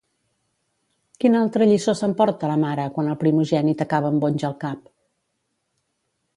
Quina altra lliçó s'emporta la mare quan el primogènit acaba amb bonys al cap?